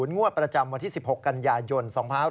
งวดประจำวันที่๑๖กันยายน๒๕๖๖